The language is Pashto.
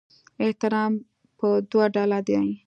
احترام په دوه ډوله دی.